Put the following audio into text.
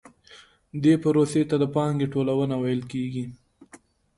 دې پروسې ته د پانګې ټولونه ویل کېږي